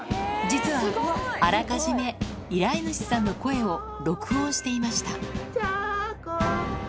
実はあらかじめ依頼主さんの声を録音していました。